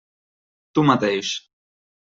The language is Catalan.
Tu mateix.